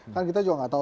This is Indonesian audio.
kan kita juga nggak tahu